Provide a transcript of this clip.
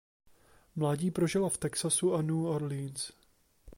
Mládí prožila v Texasu a New Orleans.